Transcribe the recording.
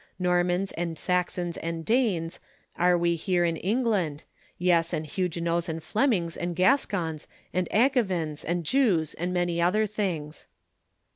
"Normans and Saxons and Danes" are we here in England, yes and Huguenots and Flemings and Gascons and Angevins and Jews and many other things.